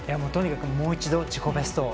もう一度自己ベストを。